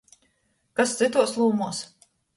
Kas cytuos lūmuos?